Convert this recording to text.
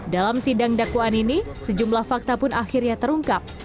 dalam sidang dakwaan ini sejumlah fakta pun akhirnya terungkap